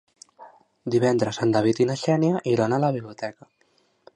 Divendres en David i na Xènia iran a la biblioteca.